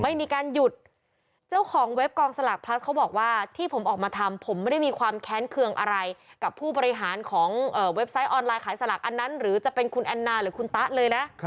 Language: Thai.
ไม่มีการหยุดเจ้าของเว็บกองสลากพลัสเขาบอกว่าที่ผมออกมาทำผมไม่ได้มีความแค้นเคืองอะไรกับผู้บริหารของเว็บไซต์ออนไลน์ขายสลากอันนั้นหรือจะเป็นคุณแอนนาหรือคุณตะเลยนะ